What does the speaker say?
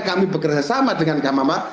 kami bekerja sama dengan kamama